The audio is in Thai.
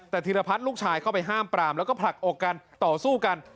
แต่ธีรพัฒน์ลูกชายเข้าไปห้ามปรามแล้วก็ผลักอกกันต่อสู้กัน